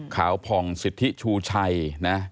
ขาวพองศิษฐิชูชัยนะ